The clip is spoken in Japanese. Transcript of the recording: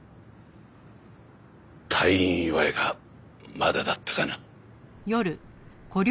退院祝いがまだだったかな。